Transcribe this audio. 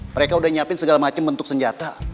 mereka udah nyiapin segala macam bentuk senjata